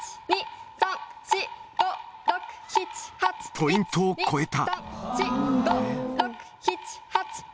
ポイントを越えた。